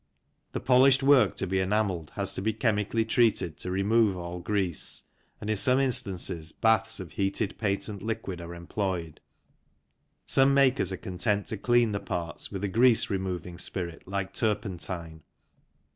The polished work to be enamelled has to be chemically treated to remove all grease, and in some instances baths of heated patent liquid are employed. Some makers are content to clean the parts with a grease removing spirit, like turpentine.